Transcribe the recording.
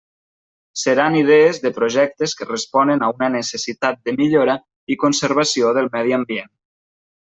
Seran idees de projectes que responen a una necessitat de millora i conservació del medi ambient.